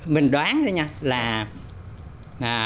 mình đoán đó nha là